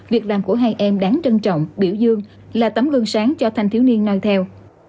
việc làm của hai em đáng trân trọng biểu dương là tấm gương sáng cho thanh thiếu niên noi theo